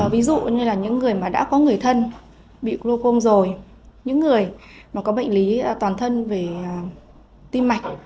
ví dụ như là những người đã có người thân bị gluocom rồi những người có bệnh lý toàn thân về tim mạch